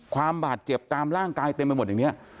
ความบาดเจ็บตามร่างกายเต็มไปหมดอย่างนี้